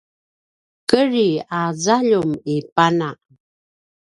kedri a zaljum i pana